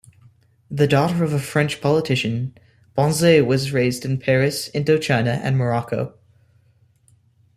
The daughter of a French politician, Banzet was raised in Paris, Indochina, and Morocco.